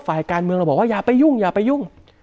ฝ่ายการเมืองเราบอกว่าอย่าไปยุ่งอย่าไปยุ่ง